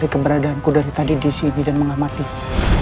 mein atas keadaan saya sedang berada di sini dan mereka menghematimu